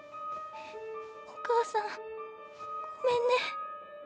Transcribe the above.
お母さんごめんね。